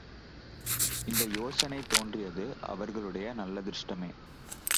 இந்த யோசனை தோன்றியது.அவர்களுடைய நல்லதிர்ஷ்டமே.